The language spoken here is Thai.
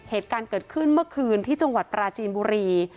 เหตุการณ์เกิดขึ้นเมื่อคืนที่จังหวัดปราจีนบุรี